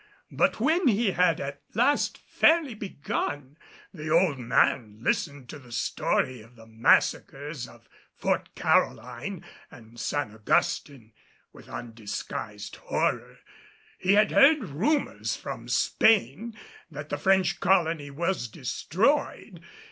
But when he had at last fairly begun, the old man listened to the story of the massacres of Fort Caroline and San Augustin with undisguised horror. He had heard rumors from Spain that the French colony was destroyed.